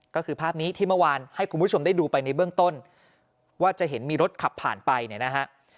ก็คือภาพนี้ที่เมื่อวานให้คุณผู้ชมได้ดูไปในเบื้องต้นว่าจะเห็นมีรถขับผ่านไปเนี่ยนะฮะ